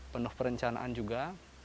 penuh perencanaan juga